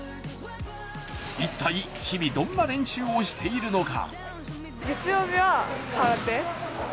一体、日々どんな練習をしているのか。